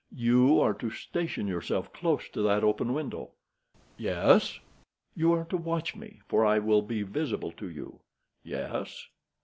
You are to station yourself close to that open window." "Yes." "You are to watch me, for I will be visible to you." "Yes."